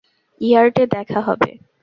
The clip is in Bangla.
ইয়ার্ডে দেখা হবে।